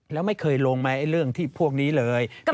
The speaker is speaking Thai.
แล้วไม่เคยลงไหมเรื่องที่พวกนี้เลย